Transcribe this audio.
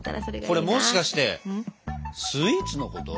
これもしかしてスイーツのこと？